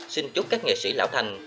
xin chúc các nghệ sĩ lão thành